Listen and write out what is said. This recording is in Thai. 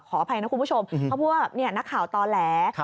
อภัยนะคุณผู้ชมเขาพูดว่านักข่าวต่อแหล